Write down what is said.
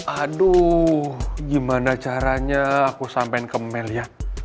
aduh gimana caranya aku sampein ke melia